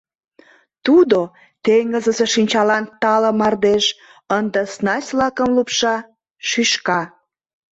Тудо, теҥызысе шинчалан тале мардеж, ынде снасть-влакым лупша, шӱшка.